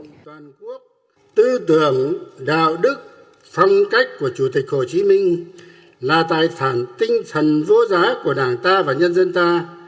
đảng toàn quốc tư tưởng đạo đức phong cách của chủ tịch hồ chí minh là tài sản tinh thần vô giá của đảng ta và nhân dân ta